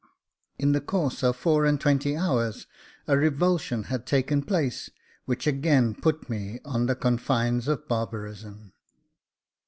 In the course of four and twenty hours a revulsion had taken place, which again put me on the confines of barbarism.